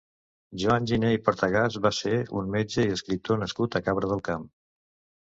Joan Giné i Partagàs va ser un metge i escriptor nascut a Cabra del Camp.